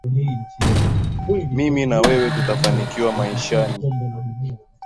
Mimi na wewe tutafanikiwa maishani.